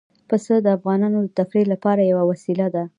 پسه د افغانانو د تفریح لپاره یوه وسیله ده.